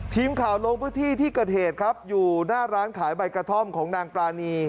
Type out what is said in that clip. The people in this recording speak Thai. ทีมข่าวลงพื้นที่ที่เกิดเหตุครับอยู่หน้าร้านขายใบกระท่อมของนางปรานี